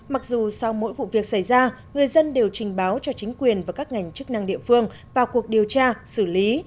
mặc dù sau mỗi vụ việc xảy ra người dân đều trình báo cho chính quyền và các ngành chức năng địa phương vào cuộc điều tra xử lý